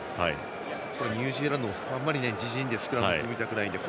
ニュージーランドもあまり自陣でスクラムを組みたくないので。